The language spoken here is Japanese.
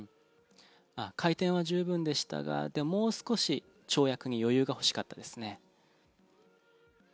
回転は十分でしたがもう少し跳躍に余裕が欲しかったですね。